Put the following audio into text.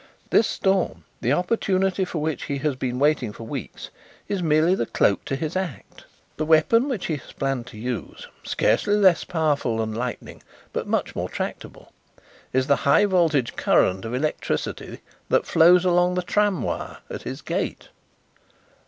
This storm, the opportunity for which he has been waiting for weeks, is merely the cloak to his act. The weapon which he has planned to use scarcely less powerful than lightning but much more tractable is the high voltage current of electricity that flows along the tram wire at his gate."